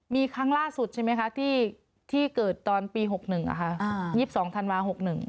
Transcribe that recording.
มีครั้งล่าสุดใช่ไหมคะที่เกิดตอนปี๖๑๒๒ธันวา๖๑